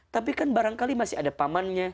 tapi kan barangkali masih ada pamannya